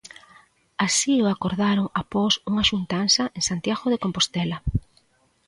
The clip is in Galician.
Así o acordaron após unha xuntanza en Santiago de Compostela.